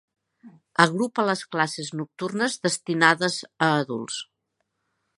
Agrupa les classes nocturnes destinades a adults.